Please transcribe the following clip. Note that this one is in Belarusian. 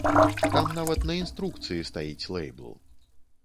Там нават на інструкцыі стаіць лэйбл.